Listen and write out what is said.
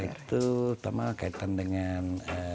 itu utama kaitan dengan